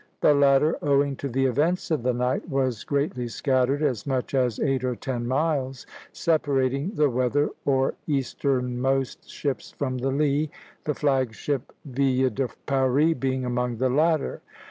The latter, owing to the events of the night, was greatly scattered, as much as eight or ten miles separating the weather, or easternmost, ships from the lee, the flag ship "Ville de Paris" being among the latter.